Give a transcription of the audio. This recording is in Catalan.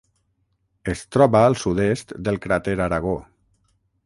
Es troba al sud-est del cràter Aragó.